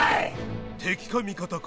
敵か味方か